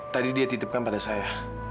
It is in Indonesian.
tadi dia titipkan pada saya